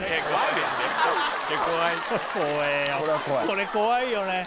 これ怖いよね。